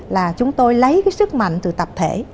là chúng tôi lấy sức mạnh từ tập thể